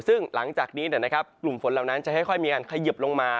ซึ่งหลังจากนี้เนี่ยนะครับกลุ่มฝนเหล่านั้นจะให้ค่อยมีการขยิบลงมา